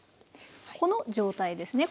この状態ですね。